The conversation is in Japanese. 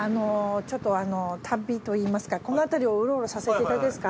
ちょっと旅といいますかこの辺りをウロウロさせて。